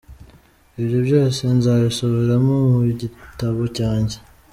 Ibyo byose nzabisubiramo mu gitabo cyanjye.